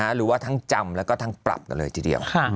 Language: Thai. หรือว่าทั้งจำแล้วก็ทั้งปรับกันเลยทีเดียว